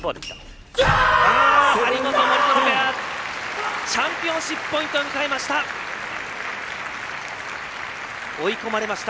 張本、森薗ペアチャンピオンシップポイントを迎えました。